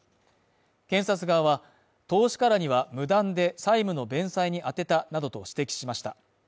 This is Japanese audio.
検察側は投資家らには無断で債務の弁済に充てたなどと指摘しました。